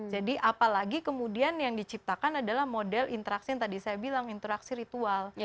jadi apalagi kemudian yang diciptakan adalah model interaksi yang tadi saya bilang interaksi ritual